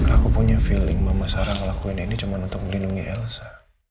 aku punya feeling mama sarah ngelakuin ini cuma untuk melindungi elsa